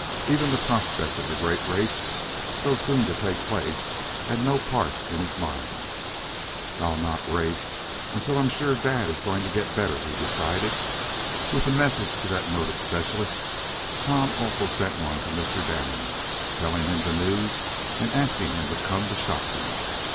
Even the prospect of the great race, so soon to take place, had no part in his mind. "I'll not race until I'm sure dad is going to get better," he decided. With the message to the noted specialist Tom also sent one to Mr. Damon, telling him the news, and asking him to come to Shopton.